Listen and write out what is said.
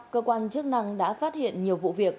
cơ quan chức năng đã phát hiện nhiều vụ việc